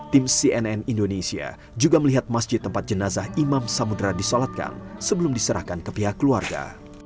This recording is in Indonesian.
tim cnn indonesia juga melihat masjid tempat jenazah imam samudera disolatkan sebelum diserahkan ke pihak keluarga